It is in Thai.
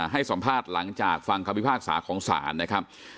ให้สอมพาตรหลังจากความพิพากษาของศาล